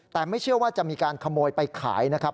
แต่ไม่เชื่อว่าจะมีการขโมยไปขายนะครับ